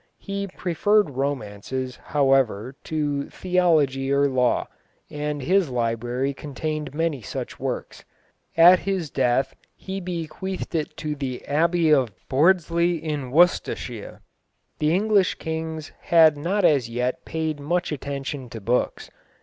He preferred romances, however, to theology or law, and his library contained many such works. At his death he bequeathed it to the Abbey of Bordesley, in Worcestershire. The English kings had not as yet paid much attention to books.